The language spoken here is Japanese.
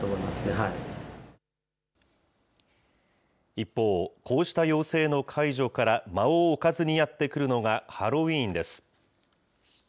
一方、こうした要請の解除から間を置かずにやってくるのが、ハロウィーンです。